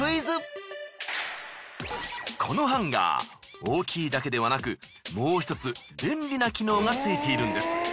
このハンガー大きいだけではなくもう一つ便利な機能がついているんです。